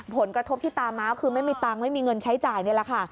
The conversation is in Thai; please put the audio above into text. ผลกระทบที่ตามมาคือไม่มีเงินใช้จ่ายนี่แหละค่ะ